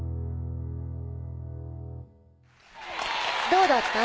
どうだった？